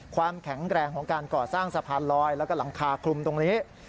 ความแข็งแรงของการก่อสร้างสะพานลอยแล้วก็หลังคาคลุมตรงนี้